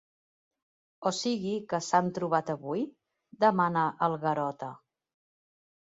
O sigui que s'han trobat avui? —demana el Garota.